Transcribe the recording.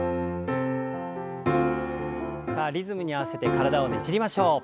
さあリズムに合わせて体をねじりましょう。